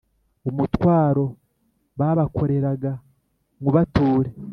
umutwaro babakoreraga nywubature.»